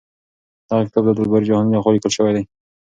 دغه کتاب د عبدالباري جهاني لخوا لیکل شوی دی.